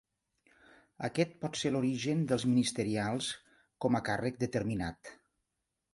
Aquest pot ser l'origen dels ministerials com a càrrec determinat.